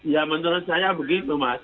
ya menurut saya begitu mas